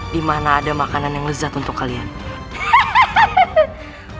dimana ada makanan yang lezat untuk kaliannya